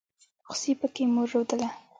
خوسي پکې مور رودله.